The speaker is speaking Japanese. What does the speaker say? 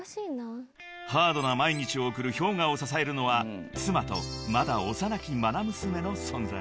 ［ハードな毎日を送るＨｙＯｇＡを支えるのは妻とまだ幼き愛娘の存在］